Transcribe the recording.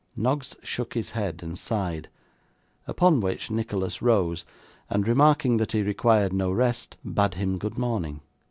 Noggs shook his head and sighed; upon which Nicholas rose, and remarking that he required no rest, bade him good morning.